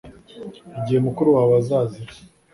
igihe mukuru wawe azazira.